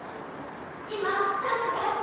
いまタンクがあった。